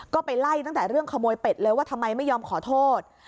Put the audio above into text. ก็ไปไล่ตั้งแต่เรื่องขโมยเป็ดเลยว่าทำไมไม่ยอมขอโทษ